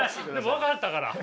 分かったから。